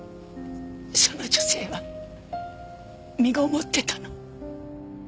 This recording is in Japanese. その女性は身ごもってたの。